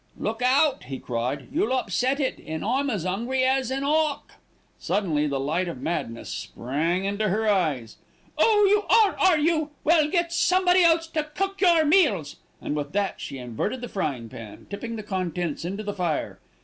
"Look out!" he cried, "you'll upset it, an' I'm as 'ungry as an 'awk." Suddenly the light of madness sprang into her eyes. "Oh! you are, are you? Well, get somebody else to cook your meals," and with that she inverted the frying pan, tipping the contents into the fire.